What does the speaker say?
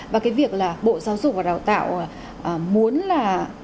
và cái việc là bộ giáo dục và đào tạo muốn là